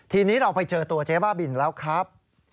ทีนี้เราไปเจอตัวเจ๊บ้าบินแล้วครับ